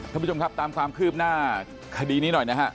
ท่านผู้ชมครับตามความคืบหน้าคดีนี้หน่อยนะฮะ